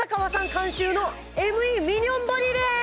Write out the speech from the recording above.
監修のＭＥミニョンボディです！